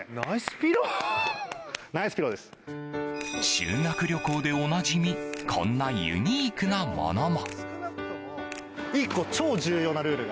修学旅行でおなじみこんなユニークなものも。